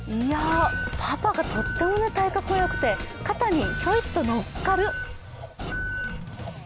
パパがとっても体格がよくて、肩にひょいっと乗っかる。